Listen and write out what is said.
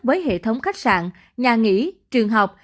với hệ thống khách sạn nhà nghỉ trường học